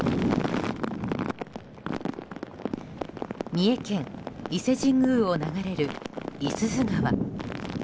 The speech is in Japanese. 三重県伊勢神宮を流れる五十鈴川。